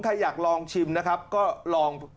ใครอยากลองชิมนะครับก็ลอง